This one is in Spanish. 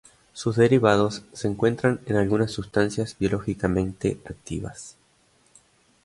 Sus derivados se encuentran en algunas sustancias biológicamente activas.